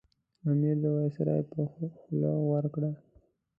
امیر د وایسرا په خوله وکړه.